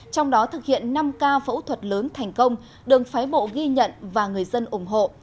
trong đó thực hiện năm ca phẫu thuật lớn thành công đường phái bộ ghi nhận và người dân ủng hộ